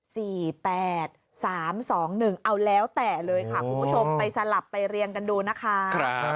สี่แปดสามสองหนึ่งเอาแล้วแตะเลยค่ะคุณผู้ชมไปสลับไปเรียงกันดูนะคะ